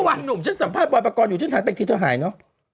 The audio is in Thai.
แต่ว่านุ่มฉันสัมภาพบ่อปกรณ์อยู่ฉันหันไปที่เธอหายเนอะ